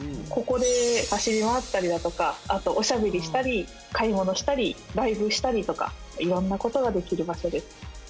ここで走り回ったりだとか、あとおしゃべりしたり、買い物したり、ライブをしたりとか、いろんなことができる場所です。